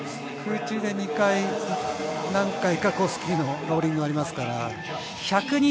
空中で２回、何回かスキーのローリングがありますから。